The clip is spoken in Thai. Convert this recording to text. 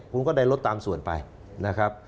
คุณก็ได้รถตามส่วนไปนะครับ